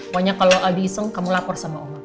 pokoknya kalau adi iseng kamu lapor sama oma